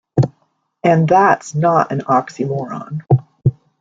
And that's not an oxymoron.